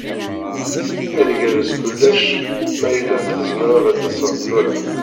Ad igerrez kullec ma yella tzemreḍ ad d-taseḍ tura.